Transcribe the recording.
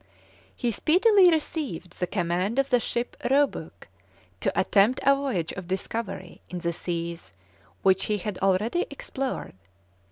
He speedily received the command of the ship Roebuck to attempt a voyage of discovery in the seas which he had already explored.